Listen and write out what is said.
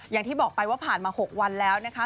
อย่างที่บอกไปว่าผ่านมา๖วันแล้วนะคะ